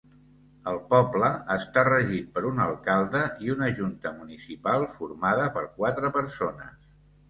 El poble està regit per un alcalde i una junta municipal formada per quatre persones.